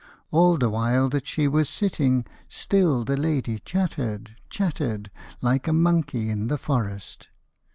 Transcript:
All the while that she was sitting, Still the lady chattered, chattered, Like a monkey in the forest.